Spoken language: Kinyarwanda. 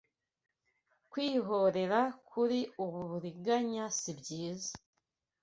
Kwihorera kuri ubu buriganya si byiza